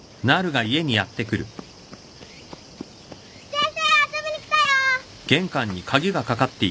先生遊びに来たよ！